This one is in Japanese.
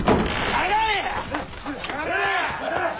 下がれ！